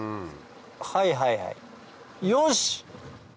はいはいはいよし！